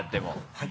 はい。